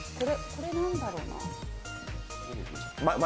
これ、何だろうな。